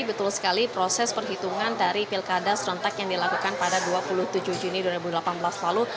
betul sekali proses perhitungan dari pilkada serentak yang dilakukan pada dua puluh tujuh juni dua ribu delapan belas lalu